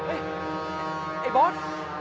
ไอ้บอส